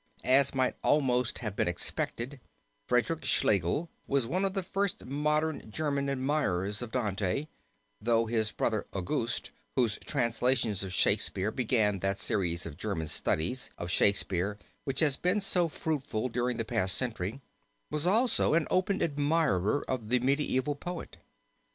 As might almost have been expected, Frederick Schlegel was one of the first modern German admirers of Dante, though his brother August, whose translations of Shakespeare began that series of German studies of Shakespeare which has been so fruitful during the past century, was also an open admirer of the medieval poet.